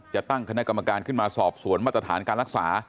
จะตั้งคณะกรรมการขึ้นมาสอบสวนมาตรฐานการรักษา